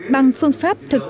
bằng phương pháp thực triển